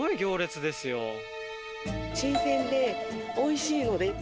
新鮮でおいしいので。